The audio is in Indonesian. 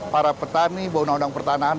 para petani bahwa undang undang pertanahan